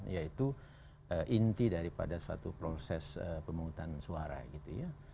yaitu inti daripada suatu proses pemungutan suara gitu ya